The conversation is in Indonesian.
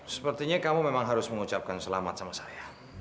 sepertinya kamu memang harus mengucapkan selamat sama saya